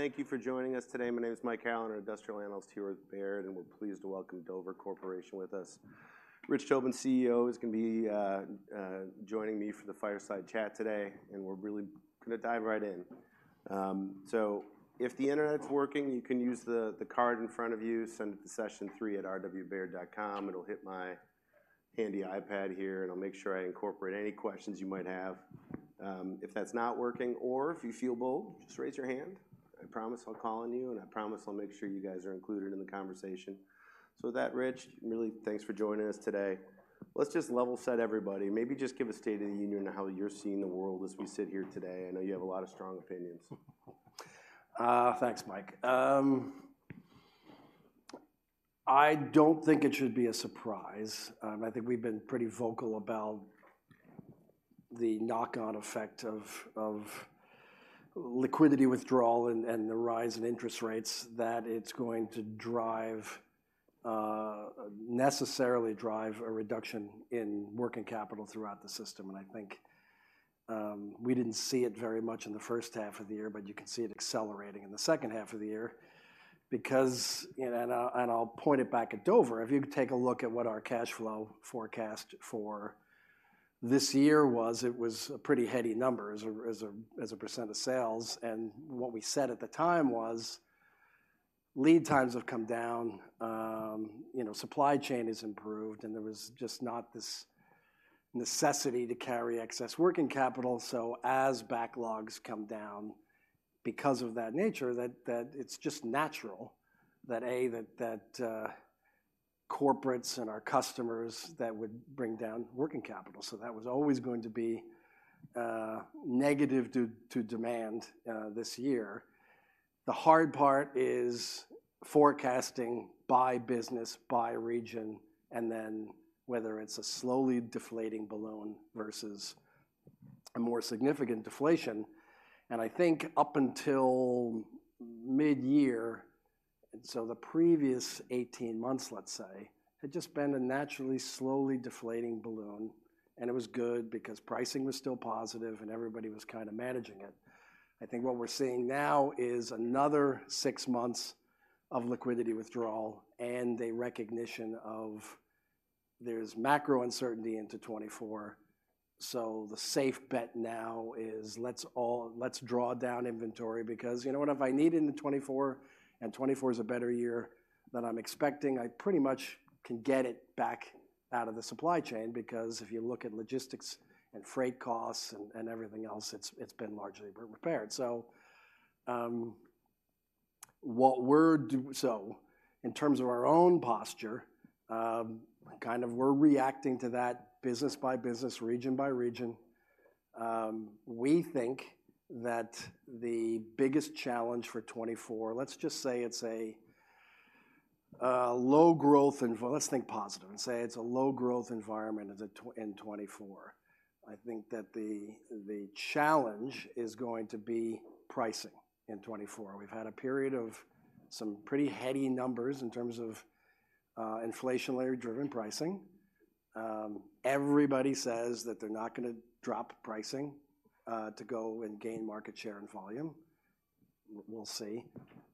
Thank you for joining us today. My name is Mike Allen, an industrial analyst here at Baird, and we're pleased to welcome Dover Corporation with us. Rich Tobin, CEO, is gonna be joining me for the fireside chat today, and we're really gonna dive right in. So if the internet's working, you can use the card in front of you. Send it to sessionthree@rwbaird.com. It'll hit my handy iPad here, and I'll make sure I incorporate any questions you might have. If that's not working, or if you feel bold, just raise your hand. I promise I'll call on you, and I promise I'll make sure you guys are included in the conversation. So with that, Rich, really, thanks for joining us today. Let's just level set everybody. Maybe just give a state of the union on how you're seeing the world as we sit here today. I know you have a lot of strong opinions. Thanks, Mike. I don't think it should be a surprise. I think we've been pretty vocal about the knock-on effect of liquidity withdrawal and the rise in interest rates, that it's going to drive necessarily a reduction in working capital throughout the system. And I think we didn't see it very much in the first half of the year, but you can see it accelerating in the second half of the year. Because, you know, and I'll point it back at Dover, if you take a look at what our cash flow forecast for this year was, it was a pretty heady number as a percent of sales. And what we said at the time was, lead times have come down, you know, supply chain has improved, and there was just not this necessity to carry excess working capital. So as backlogs come down, because of that nature, corporates and our customers would bring down working capital. So that was always going to be negative to demand this year. The hard part is forecasting by business, by region, and then whether it's a slowly deflating balloon versus a more significant deflation. And I think up until mid-year, and so the previous eighteen months, let's say, had just been a naturally, slowly deflating balloon, and it was good because pricing was still positive and everybody was kinda managing it. I think what we're seeing now is another six months of liquidity withdrawal and a recognition of there's macro uncertainty into 2024, so the safe bet now is let's all- let's draw down inventory. Because you know what? If I need it in the 2024, and 2024 is a better year than I'm expecting, I pretty much can get it back out of the supply chain, because if you look at logistics and freight costs and everything else, it's been largely repaired. So in terms of our own posture, kind of we're reacting to that business by business, region by region. We think that the biggest challenge for 2024, let's just say it's a low growth environment in 2024. I think that the challenge is going to be pricing in 2024. We've had a period of some pretty heady numbers in terms of inflationarily driven pricing. Everybody says that they're not gonna drop pricing to go and gain market share and volume. We'll see.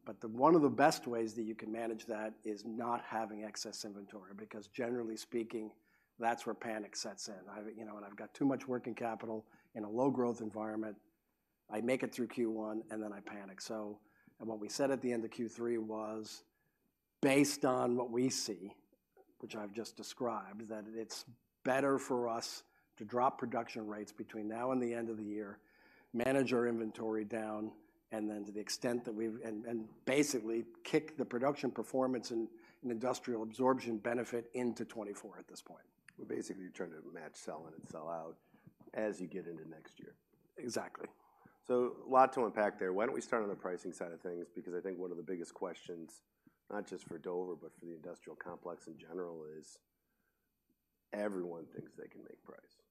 But one of the best ways that you can manage that is not having excess inventory, because generally speaking, that's where panic sets in. You know, when I've got too much working capital in a low growth environment, I make it through Q1, and then I panic. So, and what we said at the end of Q3 was, based on what we see, which I've just described, that it's better for us to drop production rates between now and the end of the year, manage our inventory down, and then to the extent that we've... Basically kick the production performance and industrial absorption benefit into 2024 at this point. Well, basically, you're trying to match sell in and sell out as you get into next year. Exactly. So a lot to unpack there. Why don't we start on the pricing side of things? Because I think one of the biggest questions, not just for Dover, but for the industrial complex in general, is everyone thinks they can make price.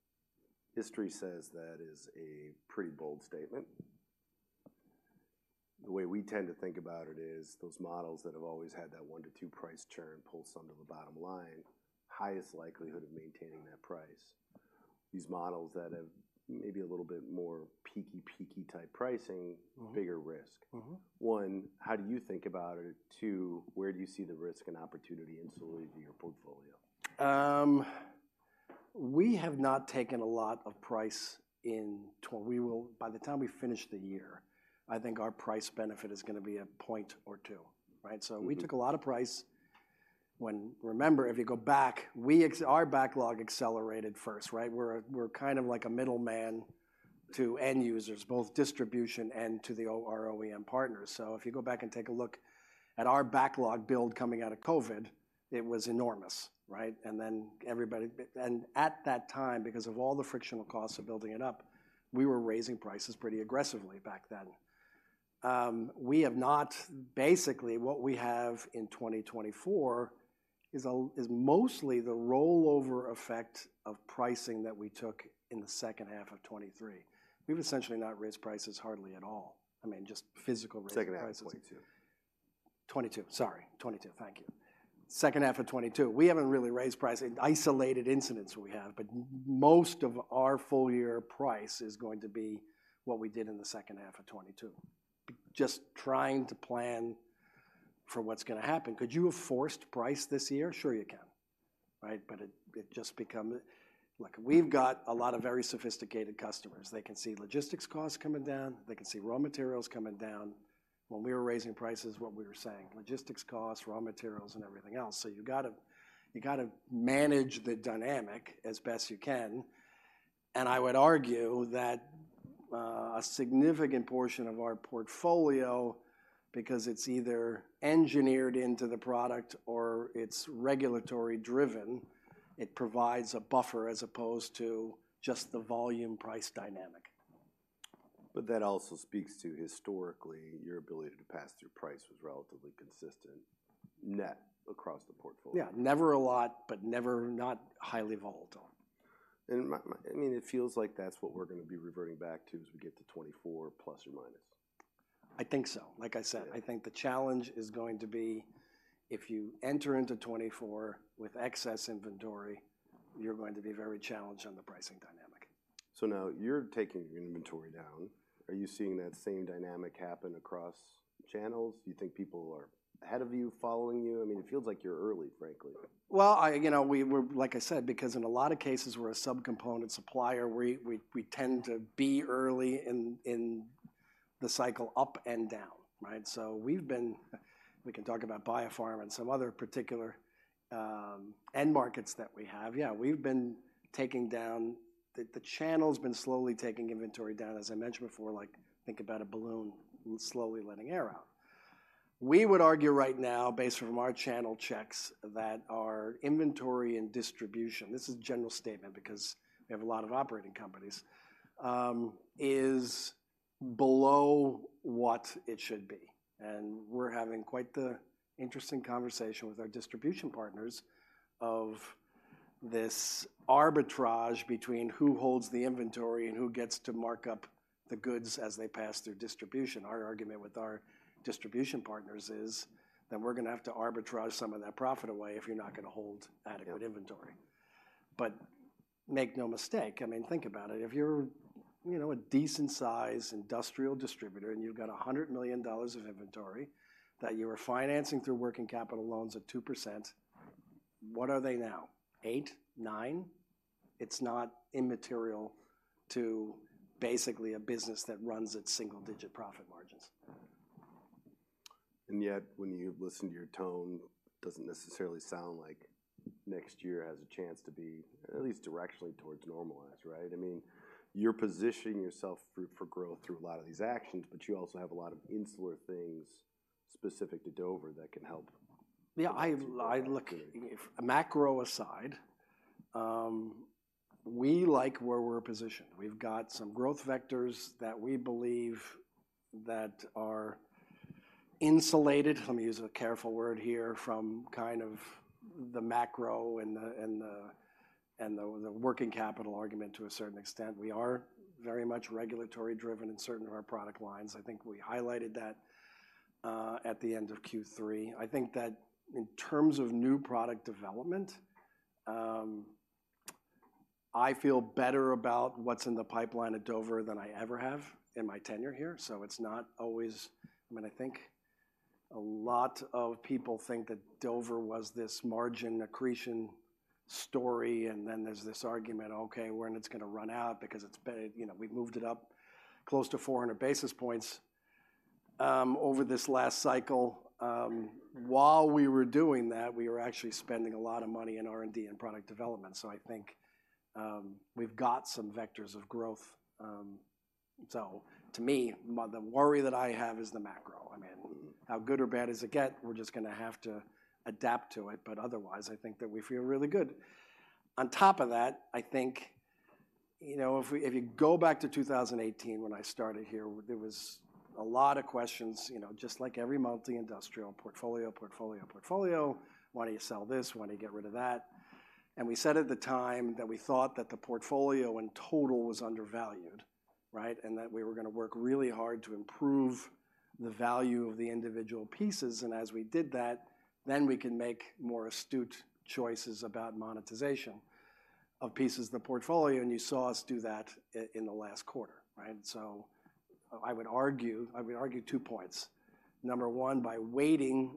History says that is a pretty bold statement. The way we tend to think about it is, those models that have always had that one to two price churn pulse onto the bottom line, highest likelihood of maintaining that price. These models that have maybe a little bit more peaky, peaky type pricing- Mm-hmm. - bigger risk. Mm-hmm. One, how do you think about it? Two, where do you see the risk and opportunity in selling to your portfolio? We have not taken a lot of price in 20. By the time we finish the year, I think our price benefit is gonna be a point or two, right? Mm-hmm. So we took a lot of price when... Remember, if you go back, our backlog accelerated first, right? We're kind of like a middleman to end users, both distribution and to our OEM partners. So if you go back and take a look at our backlog build coming out of COVID, it was enormous, right? And then at that time, because of all the frictional costs of building it up, we were raising prices pretty aggressively back then. We have not. Basically, what we have in 2024 is mostly the rollover effect of pricing that we took in the second half of 2023. We've essentially not raised prices hardly at all. I mean, just physical raised prices. Second half of 2022. 2022, sorry, 2022. Thank you. Second half of 2022. We haven't really raised pricing. Isolated incidents we have, but most of our full year price is going to be what we did in the second half of 2022. Just trying to plan for what's gonna happen. Could you have forced price this year? Sure, you can, right? But look, we've got a lot of very sophisticated customers. They can see logistics costs coming down. They can see raw materials coming down. When we were raising prices, what we were saying, logistics costs, raw materials, and everything else. So you've gotta, you gotta manage the dynamic as best you can, and I would argue that a significant portion of our portfolio, because it's either engineered into the product or it's regulatory driven, it provides a buffer as opposed to just the volume price dynamic. But that also speaks to, historically, your ability to pass through price was relatively consistent, net across the portfolio. Yeah, never a lot, but never not highly volatile. I mean, it feels like that's what we're gonna be reverting back to as we get to 2024, plus or minus. I think so. Like I said- Yeah... I think the challenge is going to be, if you enter into 2024 with excess inventory, you're going to be very challenged on the pricing dynamic. Now, you're taking your inventory down. Are you seeing that same dynamic happen across channels? Do you think people are ahead of you, following you? I mean, it feels like you're early, frankly. Well, you know, we're—like I said, because in a lot of cases, we're a subcomponent supplier, we tend to be early in the cycle up and down, right? So we've been... We can talk about biopharma and some other particular end markets that we have. Yeah, the channel's been slowly taking inventory down, as I mentioned before. Like, think about a balloon slowly letting air out. We would argue right now, based from our channel checks, that our inventory and distribution, this is a general statement because we have a lot of operating companies, is below what it should be. And we're having quite the interesting conversation with our distribution partners of this arbitrage between who holds the inventory and who gets to mark up the goods as they pass through distribution. Our argument with our distribution partners is that we're gonna have to arbitrage some of that profit away if you're not gonna hold adequate inventory. Yeah. But make no mistake, I mean, think about it. If you're, you know, a decent-sized industrial distributor, and you've got $100 million of inventory that you are financing through working capital loans at 2%, what are they now? 8%? 9%? It's not immaterial to basically a business that runs at single-digit profit margins. And yet, when you listen to your tone, doesn't necessarily sound like next year has a chance to be at least directionally towards normalized, right? I mean, you're positioning yourself for growth through a lot of these actions, but you also have a lot of insular things specific to Dover that can help. Yeah, I, I look... Macro aside, we like where we're positioned. We've got some growth vectors that we believe that are insulated, let me use a careful word here, from kind of the macro and the working capital argument to a certain extent. We are very much regulatory-driven in certain of our product lines. I think we highlighted that at the end of Q3. I think that in terms of new product development, I feel better about what's in the pipeline at Dover than I ever have in my tenure here, so it's not always... I mean, I think a lot of people think that Dover was this margin accretion story, and then there's this argument, okay, when it's gonna run out because it's been, you know, we've moved it up close to 400 basis points over this last cycle. While we were doing that, we were actually spending a lot of money in R&D and product development. So I think, we've got some vectors of growth. So to me, the worry that I have is the macro. I mean, how good or bad does it get? We're just gonna have to adapt to it, but otherwise, I think that we feel really good. On top of that, I think, you know, if we, if you go back to 2018 when I started here, there was a lot of questions, you know, just like every multi-industrial portfolio, "Why don't you sell this? Why don't you get rid of that?" And we said at the time that we thought that the portfolio in total was undervalued, right? And that we were gonna work really hard to improve the value of the individual pieces, and as we did that, then we can make more astute choices about monetization of pieces of the portfolio, and you saw us do that in the last quarter, right? So I would argue, I would argue two points. Number one, by weighting,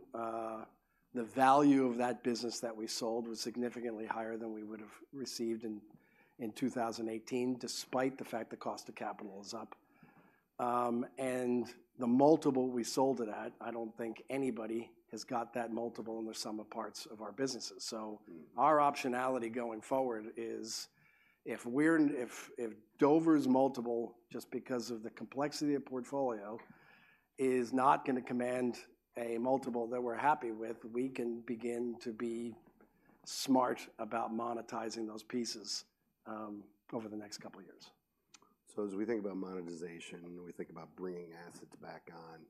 the value of that business that we sold was significantly higher than we would have received in 2018, despite the fact the cost of capital is up. And the multiple we sold it at, I don't think anybody has got that multiple in the sum of the parts of our businesses. Mm. So our optionality going forward is, if Dover's multiple, just because of the complexity of portfolio, is not gonna command a multiple that we're happy with, we can begin to be smart about monetizing those pieces over the next couple of years. So as we think about monetization, and we think about bringing assets back on,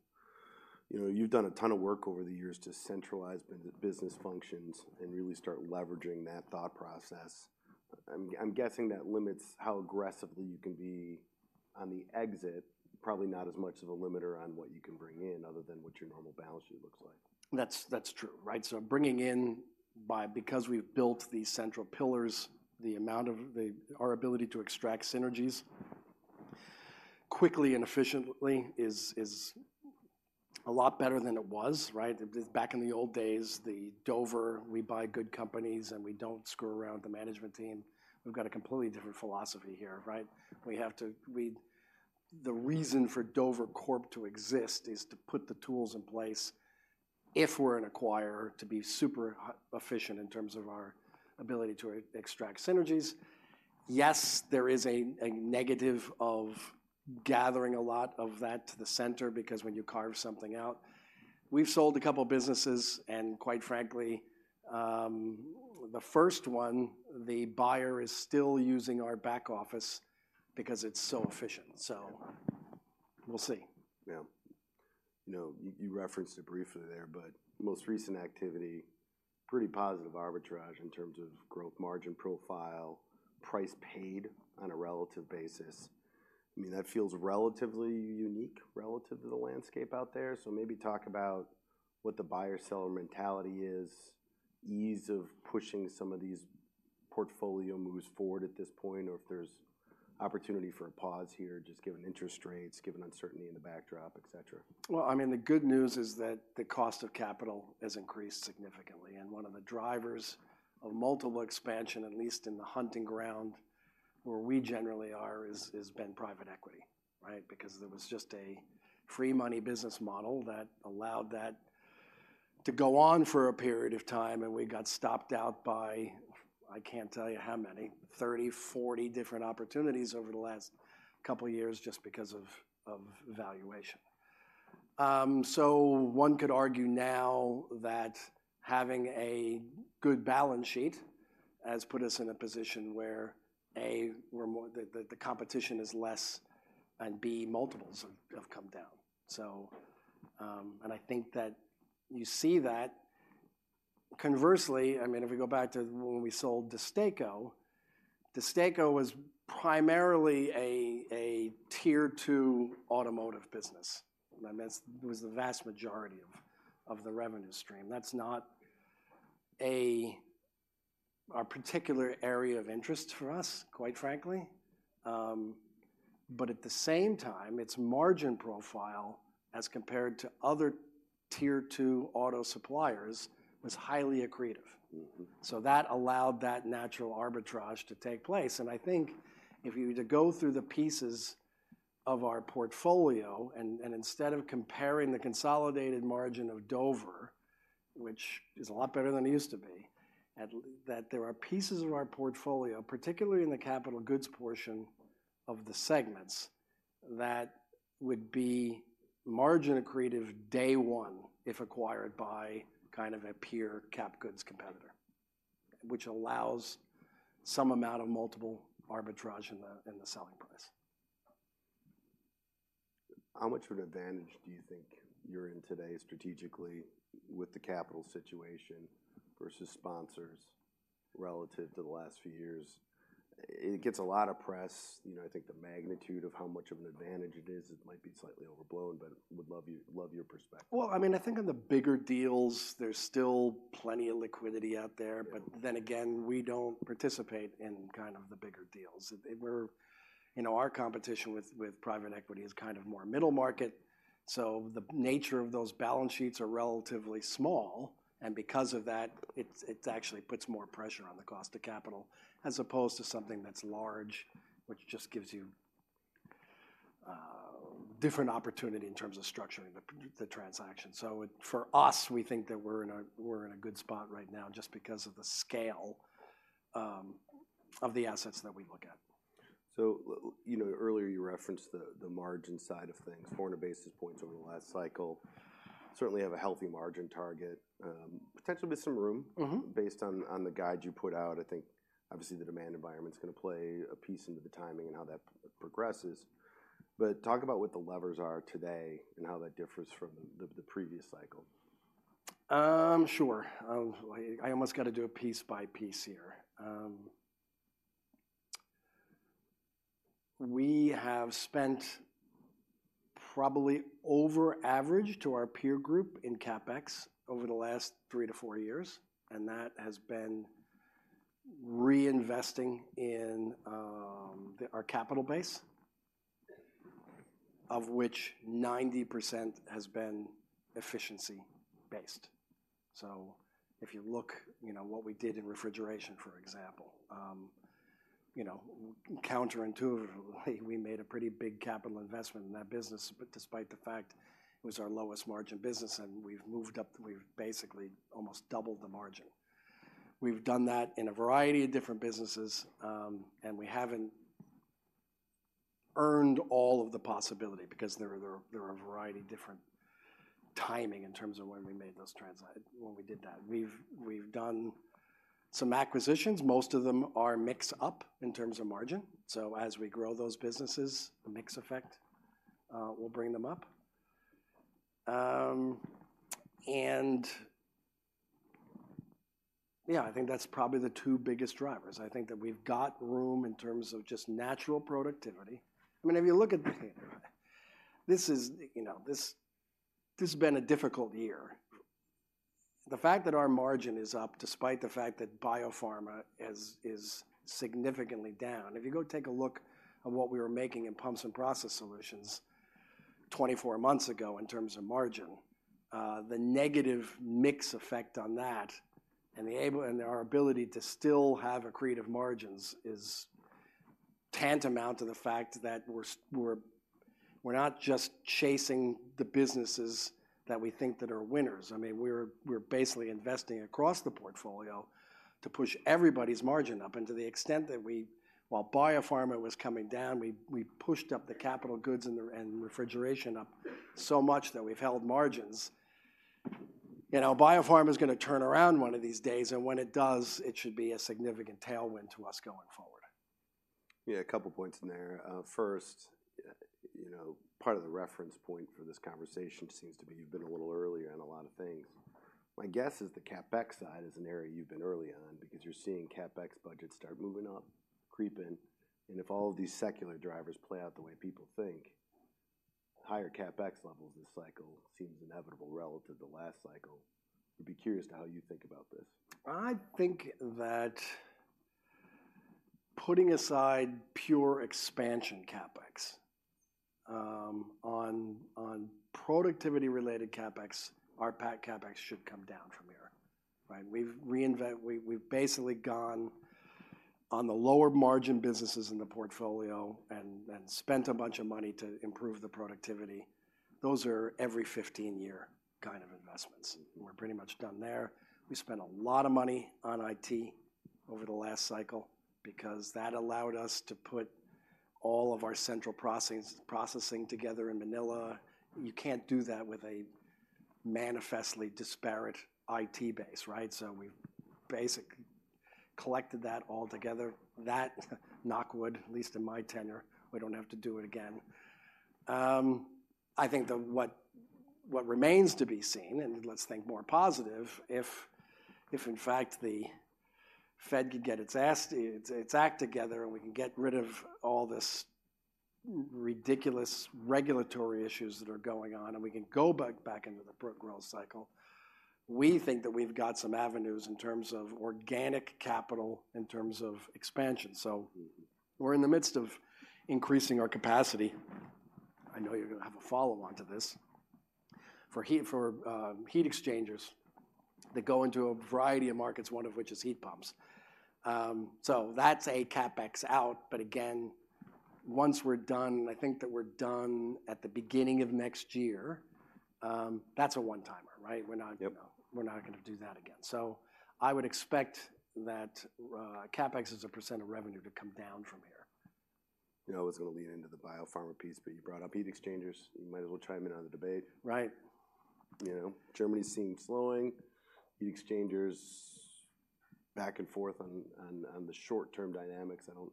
you know, you've done a ton of work over the years to centralize business functions and really start leveraging that thought process. I'm guessing that limits how aggressively you can be on the exit, probably not as much of a limiter on what you can bring in, other than what your normal balance sheet looks like. That's true, right? So because we've built these central pillars, the amount of our ability to extract synergies quickly and efficiently is a lot better than it was, right? Back in the old days, the Dover, we buy good companies, and we don't screw around with the management team. We've got a completely different philosophy here, right? The reason for Dover Corp to exist is to put the tools in place, if we're an acquirer, to be super efficient in terms of our ability to extract synergies. Yes, there is a negative of gathering a lot of that to the center, because when you carve something out... We've sold a couple businesses, and quite frankly, the first one, the buyer is still using our back office because it's so efficient. So we'll see. Yeah. You know, you, you referenced it briefly there, but most recent activity, pretty positive arbitrage in terms of growth margin profile, price paid on a relative basis. I mean, that feels relatively unique relative to the landscape out there. So maybe talk about what the buyer-seller mentality is, ease of pushing some of these portfolio moves forward at this point, or if there's opportunity for a pause here, just given interest rates, given uncertainty in the backdrop, et cetera. Well, I mean, the good news is that the cost of capital has increased significantly, and one of the drivers of multiple expansion, at least in the hunting ground where we generally are, has been private equity, right? Because there was just a free money business model that allowed that to go on for a period of time, and we got stopped out by, I can't tell you how many, 30, 40 different opportunities over the last couple of years just because of valuation. So one could argue now that having a good balance sheet has put us in a position where, A, we're more, the competition is less, and B, multiples have come down. So, and I think that you see that. Conversely, I mean, if we go back to when we sold DESTACO, DESTACO was primarily a Tier Two automotive business. I mean, that's, it was the vast majority of the revenue stream. That's not a particular area of interest for us, quite frankly. But at the same time, its margin profile, as compared to other Tier Two auto suppliers, was highly accretive. Mm-hmm. So that allowed that natural arbitrage to take place, and I think if you were to go through the pieces of our portfolio, and instead of comparing the consolidated margin of Dover, which is a lot better than it used to be, at least that there are pieces of our portfolio, particularly in the capital goods portion of the segments, that would be margin accretive day one if acquired by kind of a peer cap goods competitor, which allows some amount of multiple arbitrage in the selling price. How much of an advantage do you think you're in today strategically with the capital situation versus sponsors relative to the last few years? It gets a lot of press. You know, I think the magnitude of how much of an advantage it is, it might be slightly overblown, but would love your perspective. Well, I mean, I think on the bigger deals, there's still plenty of liquidity out there. Yeah. But then again, we don't participate in kind of the bigger deals. You know, our competition with private equity is kind of more middle market, so the nature of those balance sheets are relatively small, and because of that, it's actually puts more pressure on the cost of capital, as opposed to something that's large, which just gives you different opportunity in terms of structuring the transaction. So for us, we think that we're in a good spot right now just because of the scale of the assets that we look at. So you know, earlier, you referenced the margin side of things, 400 basis points over the last cycle. Certainly have a healthy margin target, potentially with some room- Mm-hmm... based on the guide you put out. I think obviously, the demand environment's gonna play a piece into the timing and how that progresses. But talk about what the levers are today and how that differs from the previous cycle. Sure. I almost got to do it piece by piece here. We have spent probably over average to our peer group in CapEx over the last three to four years, and that has been reinvesting in our capital base, of which 90% has been efficiency based. So if you look, you know, what we did in refrigeration, for example, you know, counterintuitively, we made a pretty big capital investment in that business, but despite the fact it was our lowest margin business, and we've moved up, we've basically almost doubled the margin. We've done that in a variety of different businesses, and we haven't earned all of the possibility because there are a variety of different timing in terms of when we did that. We've done some acquisitions. Most of them are mixed up in terms of margin. So as we grow those businesses, the mix effect will bring them up. Yeah, I think that's probably the two biggest drivers. I think that we've got room in terms of just natural productivity. I mean, if you look at this, you know, this has been a difficult year. The fact that our margin is up despite the fact that Biopharma is significantly down, if you go take a look at what we were making in Pumps and Process Solutions 24 months ago in terms of margin, the negative mix effect on that and our ability to still have accretive margins is tantamount to the fact that we're not just chasing the businesses that we think that are winners. I mean, we're basically investing across the portfolio to push everybody's margin up. And to the extent that we, while biopharma was coming down, we pushed up the capital goods and refrigeration up so much that we've held margins. You know, biopharma is gonna turn around one of these days, and when it does, it should be a significant tailwind to us going forward. Yeah, a couple points in there. First, you know, part of the reference point for this conversation seems to be you've been a little earlier in a lot of things. My guess is the CapEx side is an area you've been early on because you're seeing CapEx budgets start moving up, creeping, and if all of these secular drivers play out the way people think, higher CapEx levels this cycle seems inevitable relative to last cycle. I'd be curious to how you think about this. I think that putting aside pure expansion CapEx, on productivity-related CapEx, our PAC CapEx should come down from here, right? We've basically gone on the lower margin businesses in the portfolio, and spent a bunch of money to improve the productivity. Those are every 15-year kind of investments. We're pretty much done there. We spent a lot of money on IT over the last cycle because that allowed us to put all of our central processing together in Manila. You can't do that with a manifestly disparate IT base, right? So we basically collected that all together. That, knock wood, at least in my tenure, we don't have to do it again. I think what remains to be seen, and let's think more positive, if in fact the Fed could get its ass to its act together, and we can get rid of all this ridiculous regulatory issues that are going on, and we can go back into the growth cycle, we think that we've got some avenues in terms of organic capital, in terms of expansion. So we're in the midst of increasing our capacity. I know you're gonna have a follow-on to this. For heat exchangers that go into a variety of markets, one of which is heat pumps. So that's a CapEx out, but again, once we're done, I think that we're done at the beginning of next year, that's a one-timer, right? We're not- Yep. We're not gonna do that again. So I would expect that, CapEx as a % of revenue to come down from here. You know, I was gonna lean into the biopharma piece, but you brought up heat exchangers. You might as well chime in on the debate. Right. You know, Germany seems slowing, heat exchangers back and forth on the short-term dynamics. I don't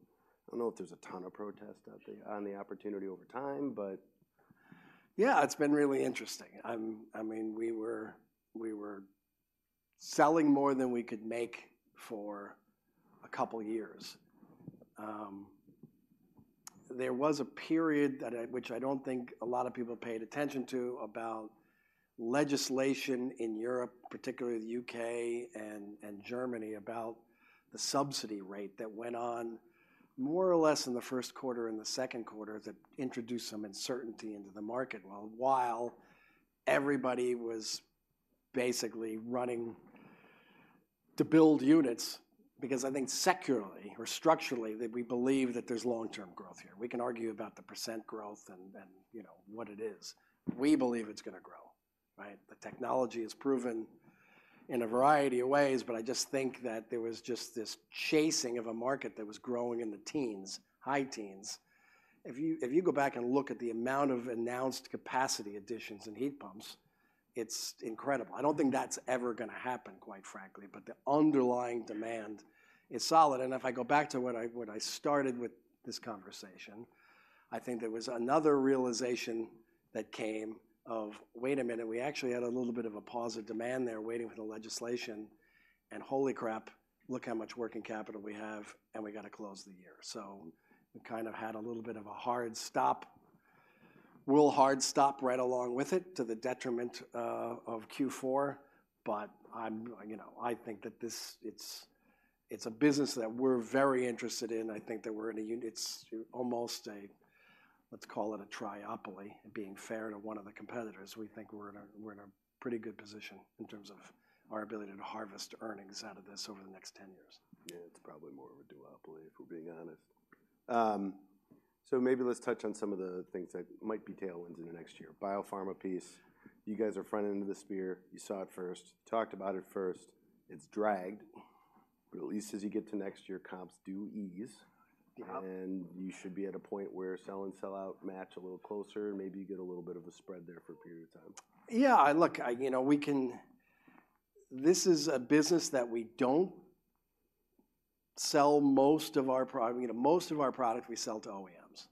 know if there's a ton of upside out there on the opportunity over time, but... Yeah, it's been really interesting. I mean, we were selling more than we could make for a couple years. There was a period which I don't think a lot of people paid attention to, about legislation in Europe, particularly the UK and Germany, about the subsidy rate that went on more or less in the first quarter and the second quarter that introduced some uncertainty into the market, while everybody was basically running to build units, because I think secularly or structurally, that we believe that there's long-term growth here. We can argue about the percent growth and, you know, what it is. We believe it's gonna grow, right? The technology is proven in a variety of ways, but I just think that there was just this chasing of a market that was growing in the teens, high teens. If you go back and look at the amount of announced capacity additions in heat pumps, it's incredible. I don't think that's ever gonna happen, quite frankly, but the underlying demand is solid. And if I go back to what I started with this conversation, I think there was another realization that came of, wait a minute, we actually had a little bit of a pause of demand there waiting for the legislation, and holy crap, look how much working capital we have, and we got to close the year. So we kind of had a little bit of a hard stop. We'll hard stop right along with it to the detriment of Q4, but you know, I think that this, it's a business that we're very interested in. I think that we're in a. It's almost a. Let's call it a triopoly, being fair to one of the competitors. We think we're in a pretty good position in terms of our ability to harvest earnings out of this over the next 10 years. Yeah, it's probably more of a duopoly, if we're being honest. So maybe let's touch on some of the things that might be tailwinds in the next year. Biopharma piece, you guys are front end of the spear. You saw it first, talked about it first. It's dragged, but at least as you get to next year, comps do ease. Yeah. You should be at a point where sell and sell out match a little closer, maybe you get a little bit of a spread there for a period of time. Yeah, look, you know, this is a business that we don't sell most of our product. You know, most of our product we sell to OEMs.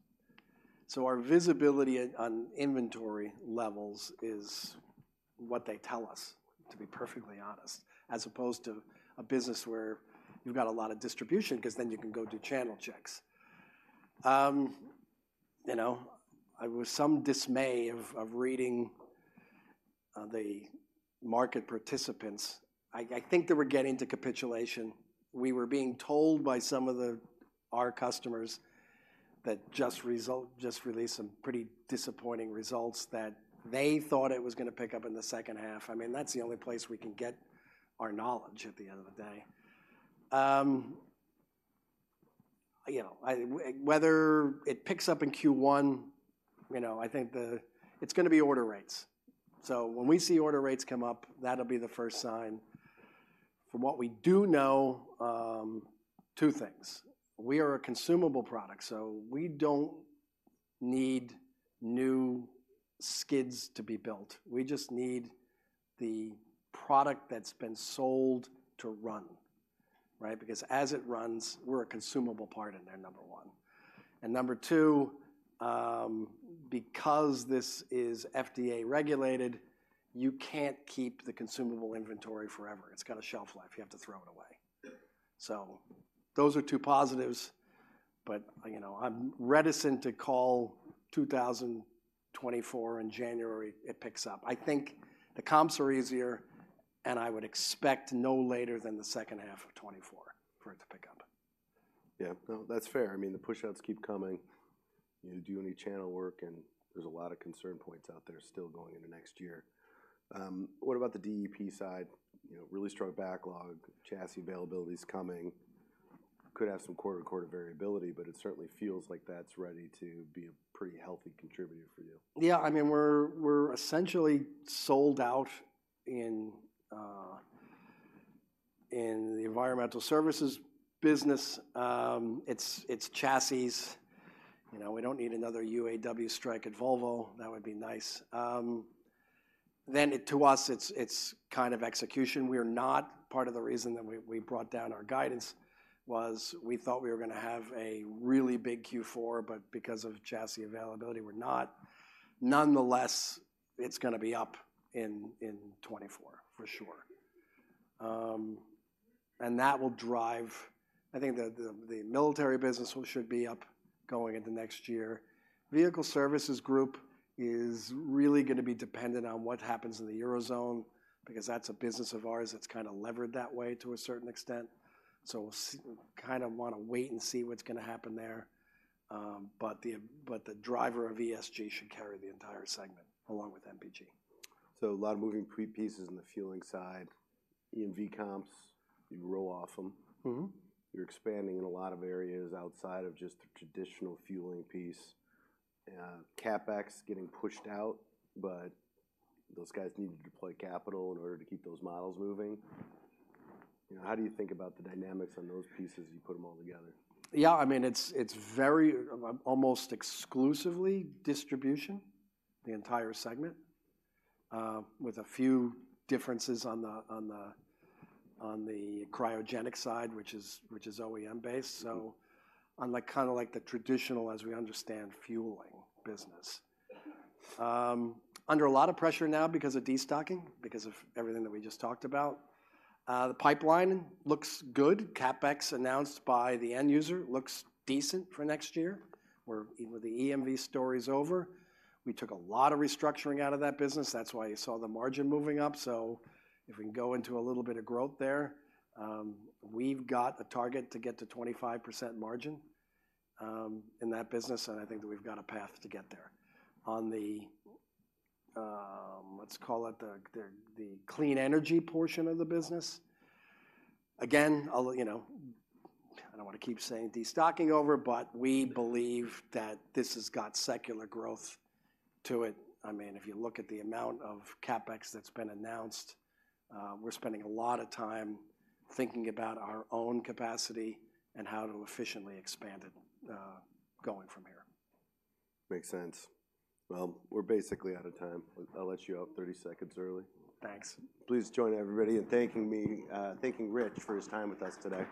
So our visibility on inventory levels is what they tell us, to be perfectly honest, as opposed to a business where you've got a lot of distribution, 'cause then you can go do channel checks. You know, I with some dismay of reading the market participants, I think that we're getting to capitulation. We were being told by our customers that just released some pretty disappointing results, that they thought it was gonna pick up in the second half. I mean, that's the only place we can get our knowledge at the end of the day. You know, whether it picks up in Q1, you know, I think it's gonna be order rates. So when we see order rates come up, that'll be the first sign. From what we do know, two things: we are a consumable product, so we don't need new skids to be built. We just need the product that's been sold to run, right? Because as it runs, we're a consumable part in there, number one. And number two, because this is FDA-regulated, you can't keep the consumable inventory forever. It's got a shelf life. You have to throw it away. So those are two positives, but, you know, I'm reticent to call 2024 in January, it picks up. I think the comps are easier, and I would expect no later than the second half of 2024 for it to pick up. Yeah. No, that's fair. I mean, the pushouts keep coming. You do any channel work, and there's a lot of concern points out there still going into next year. What about the DEP side? You know, really strong backlog, chassis availability's coming. Could have some quarter-to-quarter variability, but it certainly feels like that's ready to be a pretty healthy contributor for you. Yeah, I mean, we're essentially sold out in the environmental services business. It's chassis. You know, we don't need another UAW strike at Volvo. That would be nice. Then, to us, it's kind of execution. Part of the reason that we brought down our guidance was we thought we were gonna have a really big Q4, but because of chassis availability, we're not. Nonetheless, it's gonna be up in 2024 for sure. And that will drive. I think the military business should be up going into next year. Vehicle Services Group is really gonna be dependent on what happens in the Eurozone, because that's a business of ours that's kind of levered that way to a certain extent. So we'll see. Kind of wanna wait and see what's gonna happen there. But the driver of ESG should carry the entire segment, along with MPG. A lot of moving pieces in the fueling side. EMV comps, you roll off them. Mm-hmm. You're expanding in a lot of areas outside of just the traditional fueling piece. CapEx getting pushed out, but those guys need to deploy capital in order to keep those models moving. You know, how do you think about the dynamics on those pieces as you put them all together? Yeah, I mean, it's very almost exclusively distribution, the entire segment, with a few differences on the cryogenic side, which is OEM-based. So on, like, kind of like the traditional, as we understand, fueling business. Under a lot of pressure now because of destocking, because of everything that we just talked about. The pipeline looks good. CapEx announced by the end user looks decent for next year, where the EMV story's over. We took a lot of restructuring out of that business. That's why you saw the margin moving up. So if we can go into a little bit of growth there, we've got a target to get to 25% margin, in that business, and I think that we've got a path to get there. On the, let's call it the clean energy portion of the business, again, I'll, you know, I don't wanna keep saying destocking over, but we believe that this has got secular growth to it. I mean, if you look at the amount of CapEx that's been announced, we're spending a lot of time thinking about our own capacity and how to efficiently expand it, going from here. Makes sense. Well, we're basically out of time. I'll let you out 30 seconds early. Thanks. Please join everybody in thanking me, thanking Rich for his time with us today.